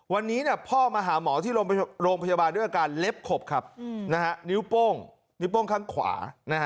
วันนี้พ่อมาหาหมอที่โรงพยาบาลด้วยอาการเล็บขบครับนิ้วโป้งนิ้วโป้งข้างขวา